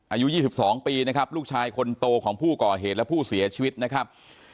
อายุ๒๒ปีนะครับลูกชายคนโตของผู้ก่อเหตุและผู้เสียชีวิตนะครับ